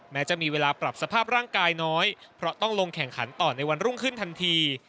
แม้จะมีเวลาปรับสภาพร่างกายน้อยเพราะต้องลงแข่งขันต่อในวันรุ่งขึ้นทันที